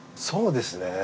そうですね。